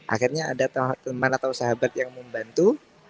akhirnya ada teman atau sahabat yang membantu